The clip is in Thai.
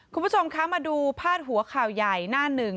คุณผู้ชมคะมาดูพาดหัวข่าวใหญ่หน้าหนึ่ง